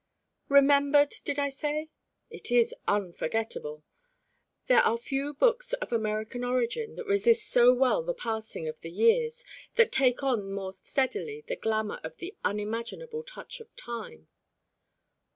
Remembered, did I say? It is unforgettable. There are few books of American origin that resist so well the passing of the years, that take on more steadily the glamour of "the unimaginable touch of time."